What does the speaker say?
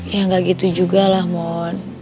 ya gak gitu juga lah mon